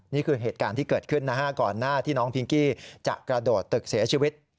นี่คือเหตุการณ์ที่เกิดขึ้นนะฮะก่อนหน้าที่น้องพิงกี้จะกระโดดตึกเสียชีวิต